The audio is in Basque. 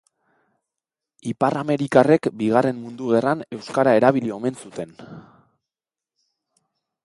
Ipar-amerikarrek Bigarren Mundu Gerran euskara erabili omen zuten.